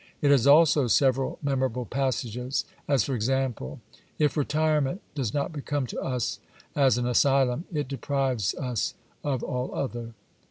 It has also several memorable passages, as for example :" If retirement does not become to us as an asylum, it deprives us of all other."